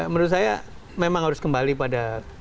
menurut saya memang harus kembali pada